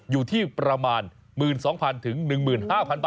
อยู่ที่ประมาณ๑๒๐๐๐๑๕๐๐๐บาทต่อวันนะ